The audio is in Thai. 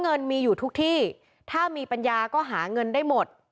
เงินมีอยู่ทุกที่ถ้ามีปัญญาก็หาเงินได้หมด